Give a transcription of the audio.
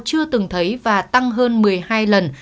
chưa từng thấy và tăng hơn một mươi hai lần